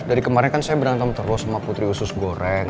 dari kemarin kan saya berantem terus sama putri usus goreng